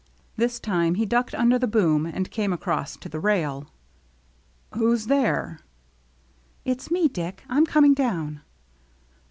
This time he ducked under the boom and came across to the rail. "Who's there?" " It's me, Dick. I'm coming down."